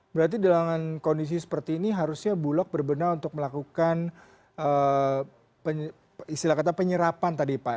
berarti dalam kondisi seperti ini harusnya bulog berbenah untuk melakukan istilah kata penyerapan tadi pak